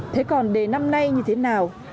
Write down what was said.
thế còn đề năm nay như thế nào